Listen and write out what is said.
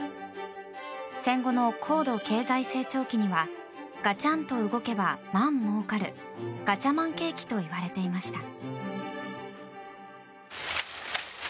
戦後の高度経済成長期にはガチャンと動けば万もうかるガチャマン景気といわれていました。